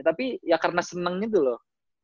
tapi ya karena seneng gitu loh